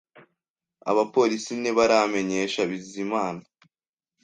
Abapolisi ntibaramenyesha Bizimana